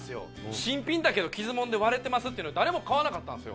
新品だけど傷モンで割れてますっていうので誰も買わなかったんすよ